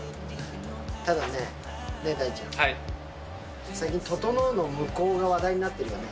ただね、大ちゃん、最近、ととのうの向こう側が話題になってるよね。